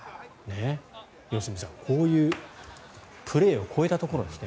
良純さん、こういうプレーを超えたところなんですね。